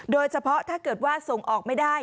โดยเฉพาะถ้าเกิดว่าส่งออกไม่ได้